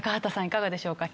いかがでしょうか？